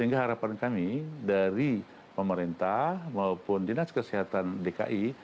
jadi harapan kami dari pemerintah maupun dinas kesehatan dki